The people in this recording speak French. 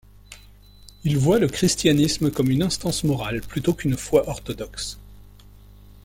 Il voit le christianisme comme une instance morale plutôt qu'une foi orthodoxe.